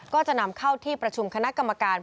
ก็จะนำเข้าที่ประชุมคณะกรรมการ